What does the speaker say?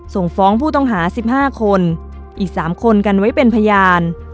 ส่งฟ้องผู้ต้องหา๑๕คนอีก๓คนกันไว้เป็นพยาน